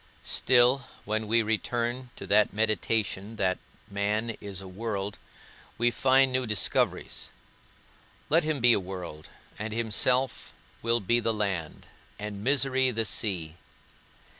Still when we return to that meditation that man is a world, we find new discoveries. Let him be a world, and himself will be the land, and misery the sea.